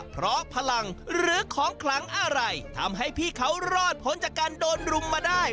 เพราะพลังหรือของขลังอะไรทำให้พี่เขารอดพ้นจากการโดนรุมมาได้